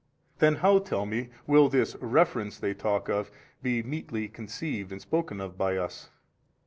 A. Then how (tell me) will this reference they talk of be meetly conceived and spoken of by us?